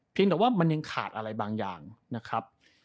แต่ว่ามันยังขาดอะไรบางอย่างนะครับ